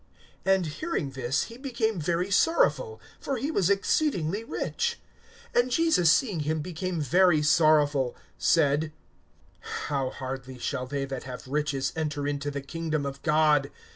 (23)And hearing this, he became very sorrowful; for he was exceedingly rich. (24)And Jesus seeing him became very sorrowful, said: How hardly shall they that have riches enter into the kingdom of God!